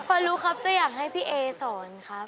พอรู้ครับก็อยากให้พี่เอสอนครับ